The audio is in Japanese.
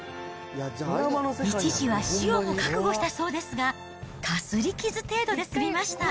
一時は死をも覚悟したそうですが、かすり傷程度で済みました。